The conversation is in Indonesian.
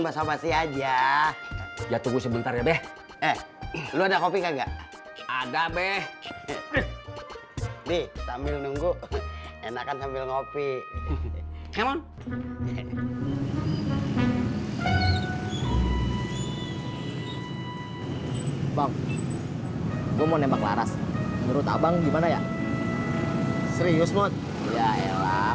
basah masih aja ya tunggu sebentar ya beh eh lu ada kopi enggak ada beh nih sambil nunggu enakan sambil ngobrol